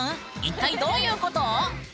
一体どういうこと？